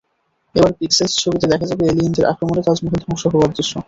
এবারে পিক্সেলস ছবিতে দেখা যাবে এলিয়েনদের আক্রমণে তাজমহল ধ্বংস হওয়ার দৃশ্যের।